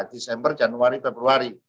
desember januari februari